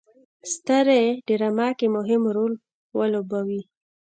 سترې ډرامه کې مهم رول ولوبوي.